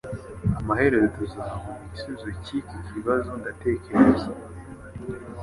Amaherezo tuzabona igisubizo cyiki kibazo, ndatekereza.